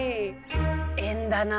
縁だなあ